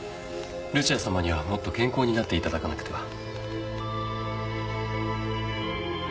ルチアさまにはもっと健康になっていただかなくては。